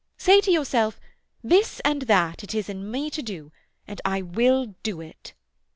Say to yourself: This and that it is in me to do, and I will do it!"